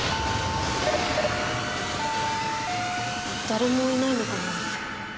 誰もいないのかな？